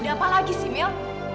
ada apa lagi si mil